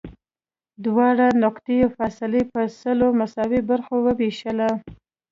دواړو نقطو فاصله یې په سلو مساوي برخو ووېشله.